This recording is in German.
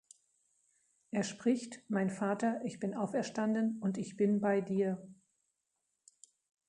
Er spricht: "Mein Vater, ich bin auferstanden, und ich bin bei dir.